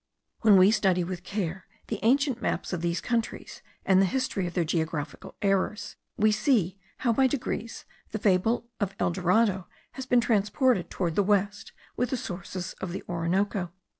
When we study with care the ancient maps of these countries, and the history of their geographical errors, we see how by degrees the fable of El Dorado has been transported towards the west with the sources of the Orinoco.